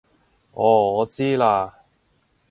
哦我知喇